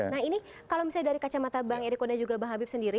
nah ini kalau misalnya dari kacamata bang eriko dan juga bang habib sendiri